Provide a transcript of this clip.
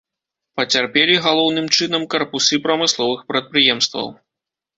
Пацярпелі, галоўным чынам, карпусы прамысловых прадпрыемстваў.